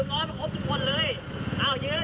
ทำไมกูยังไม่โดนมึงนะ